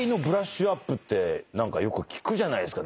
何かよく聞くじゃないですか。